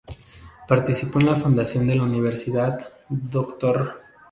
Participó en la fundación de la Universidad "Dr.